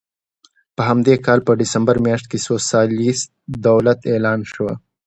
په همدې کال په ډسمبر میاشت کې سوسیالېست دولت اعلان شو.